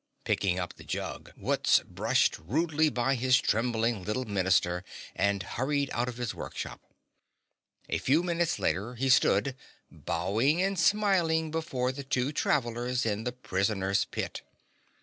Picking up the jug, Wutz brushed rudely by his trembling little Minister and hurried out of his workshop. A few minutes later, he stood bowing and smiling before the two travelers in the prisoner's pit.